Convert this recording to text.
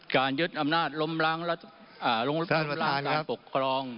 การยึดอำนาจลงรังการปกครอง